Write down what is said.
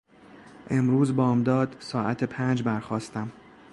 امروز بامداد، ساعت پنج برخاستم.